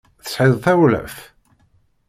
Tesɛiḍ tawlaft?